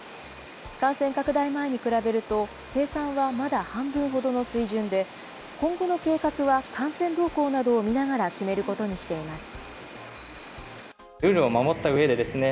感染拡大前に比べると、生産はまだ半分ほどの水準で、今後の計画は感染動向などを見ながら決めることにしています。